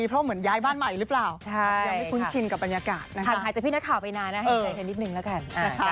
ผ่านหายจากพี่นักข่าวไปนานนะให้ใจเท่านิดนึงแล้วกัน